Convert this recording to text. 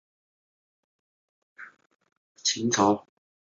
秦朝时为咸阳县。